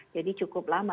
jadi cukup lama